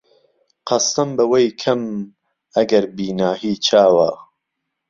قەستەم به وهی کهم ئەگهر بیناهی چاوه